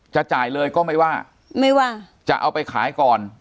จะจ่ายเลยก็ไม่ว่าไม่ว่าจะเอาไปขายก่อน